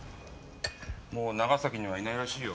もう長崎にはいないらしいよ。